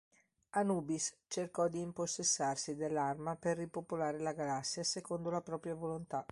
Anubis cercò di impossessarsi dell'arma per ripopolare la galassia secondo la propria volontà.